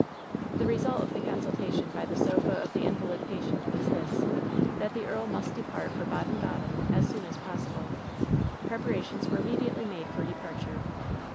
The result of the consultation by the sofa of the in valid patient was this — ^that the earl must depart for Baden Baden as soon as possible. Preparations were immediately made for departure.